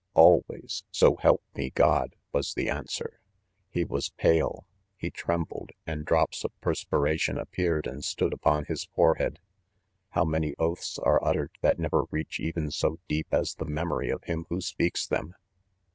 "Al ways, so help me God I" was the answer. — He was pale, he trembled, and drops of perspi ration appeared and stood upon his forehead — How many oaths are littered that never reach even so deep as the memory of him who speaks them